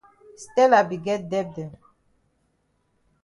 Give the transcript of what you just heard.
Stella be get debt dem.